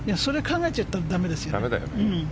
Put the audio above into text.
それ考えちゃったら駄目ですよ。